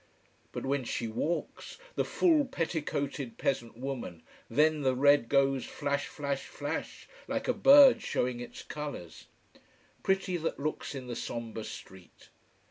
But when she walks, the full petticoated peasant woman, then the red goes flash flash flash, like a bird showing its colours. Pretty that looks in the sombre street.